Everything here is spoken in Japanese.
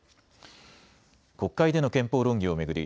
国会での憲法論議を巡り